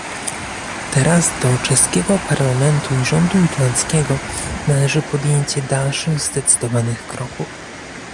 Teraz do czeskiego parlamentu i rządu irlandzkiego należy podjęcie dalszych zdecydowanych kroków